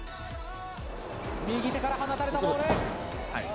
右手から放たれたボール。